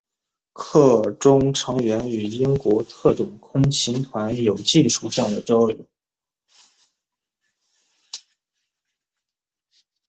课中成员与英国特种空勤团有技术上的交流。